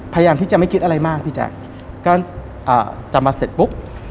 พยายามที่จะไม่คิดอะไรมากพี่แจ๊คก็อ่าจะมาเสร็จปุ๊บ